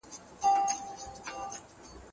خپل قسمت